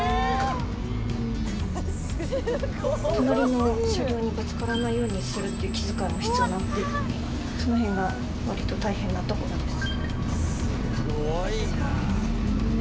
の車両にぶつからないようにするという気遣いが必要なので、そのへんがわりと大変なところなんです。